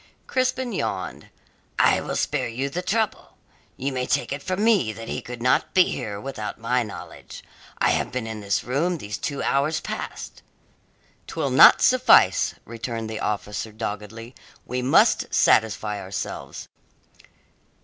Crispin yawned. "I will spare you the trouble. You may take it from me that he could not be here without my knowledge. I have been in this room these two hours past." "Twill not suffice," returned the officer doggedly. "We must satisfy ourselves."